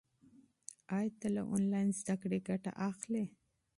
آیا ته له انلاین زده کړې ګټه اخلې؟